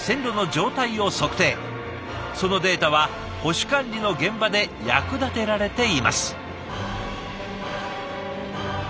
そのデータは保守管理の現場で役立てられています。